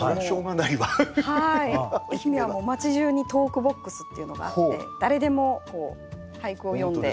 愛媛はもう町じゅうに投句ボックスっていうのがあって誰でもこう俳句を詠んで。